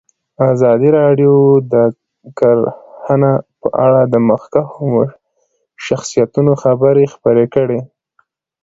ازادي راډیو د کرهنه په اړه د مخکښو شخصیتونو خبرې خپرې کړي.